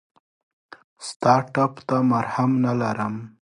ستا ټپ ته مرهم نه لرم !